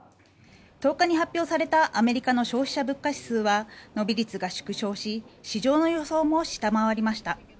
１０日に発表されたアメリカの消費者物価指数は伸び率が縮小し市場の予想も下回りました。